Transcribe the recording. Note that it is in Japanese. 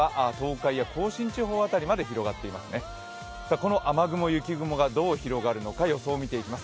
この雨雲、雪雲がどう広がるのか予想を見ていきます。